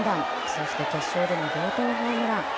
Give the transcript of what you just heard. そして決勝での同点ホームラン。